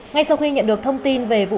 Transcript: ngay sau khi nhận được thông tin về vụ